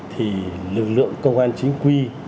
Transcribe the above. thì lực lượng công an chính quy